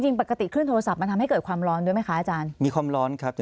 จริงปกติขึ้นโทรศัพท์มันทำให้เกิดความร้อนด้วยไหมคะ